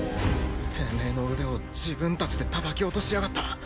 テメエの腕を自分たちで叩き落としやがった。